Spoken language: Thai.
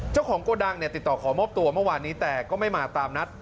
โกดังเนี่ยติดต่อขอมอบตัวเมื่อวานนี้แต่ก็ไม่มาตามนัด